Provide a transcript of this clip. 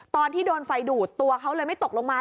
ตอนที่โดนไฟดูดตัวเขาเลยไม่ตกลงมา